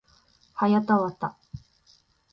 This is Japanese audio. はやたわた